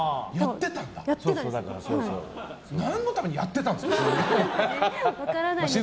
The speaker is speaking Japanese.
何のためにやってたんですか。